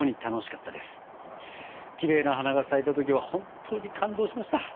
きれいな花が咲いた時は本当に感動しました！